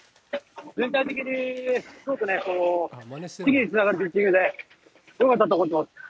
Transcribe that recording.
全体的に、そうですね、次につながるピッチングで、よかったと思ってます。